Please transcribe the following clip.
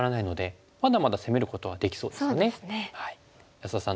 安田さん